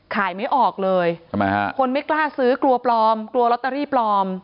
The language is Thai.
ไม่ออกเลยทำไมฮะคนไม่กล้าซื้อกลัวปลอมกลัวลอตเตอรี่ปลอม